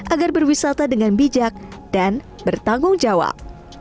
agar berwisata dengan bijak dan bertanggung jawab